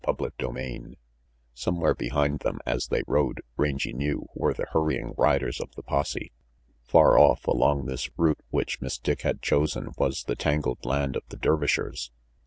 CHAPTER XI SOMEWHERE behind them, as they rode, Rangy knew, were the hurrying riders of the posse. Far off, along this route which Miss Dick had chosen, was the tangled land of the Dervishers.